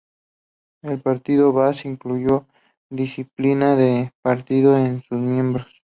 El Partido Baaz inculcó disciplina de partido en sus miembros.